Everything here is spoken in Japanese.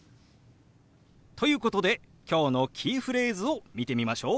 ということで今日のキーフレーズを見てみましょう。